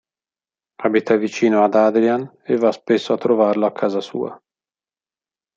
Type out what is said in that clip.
Abita vicino ad Adrian e va spesso a trovarlo a casa sua.